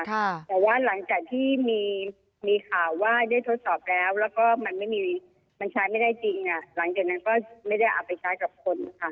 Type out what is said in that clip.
แต่ว่าหลังจากที่มีข่าวว่าได้ทดสอบแล้วแล้วก็มันไม่มีมันใช้ไม่ได้จริงหลังจากนั้นก็ไม่ได้เอาไปใช้กับคนค่ะ